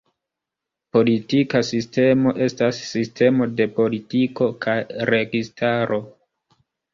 Politika sistemo estas sistemo de politiko kaj registaro.